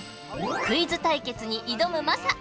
クイズ対決に挑むマサ